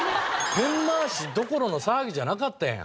ペン回しどころの騒ぎじゃなかったやん。